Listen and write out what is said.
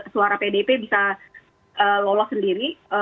suara pdip bisa lolos sendiri